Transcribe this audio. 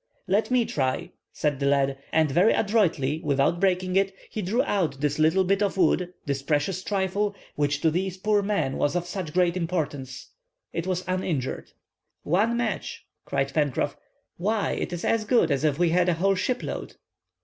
"Let me try," said the lad. And very adroitly, without breaking it, he drew out this little bit of wood, this precious trifle, which to these poor men was of such great importance. It was uninjured. "One match!" cried Pencroff." "Why, it is as good as if we had a whole ship load!"